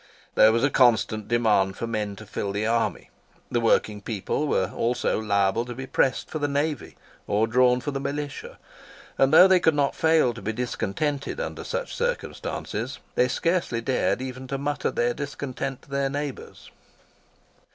There was a constant demand for men to fill the army. The working people were also liable to be pressed for the navy, or drawn for the militia; and though they could not fail to be discontented under such circumstances, they scarcely dared even to mutter their discontent to their neighbours.